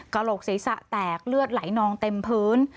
โหลกศีรษะแตกเลือดไหลนองเต็มพื้น